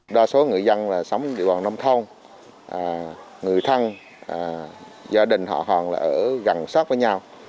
đa số người dân sống địa bàn nông thôn người thân gia đình họ hòn là ở gần sát với nhau